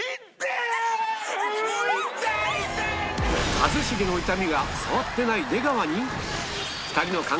一茂の痛みが触ってない出川に？